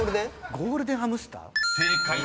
「ゴールデンハムスター」です］